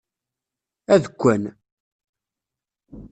Adekkan.